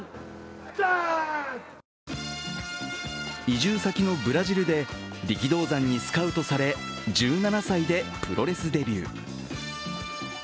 移住先のブラジルで力道山にスカウトされ、１７歳でプロレスデビュー。